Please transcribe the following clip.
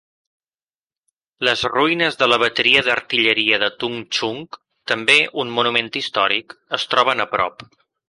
Les ruïnes de la bateria d'artilleria de Tung Chung, també un monument històric, es troben a prop.